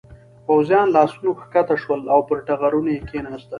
پوځيان له آسونو کښته شول او پر ټغرونو یې کېناستل.